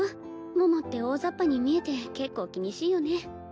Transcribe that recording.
桃って大ざっぱに見えて結構気にしいよね